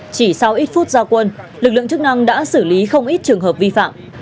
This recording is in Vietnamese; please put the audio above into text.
chỉ sau ít phút gia quân lực lượng chức năng đã xử lý không ít trường hợp vi phạm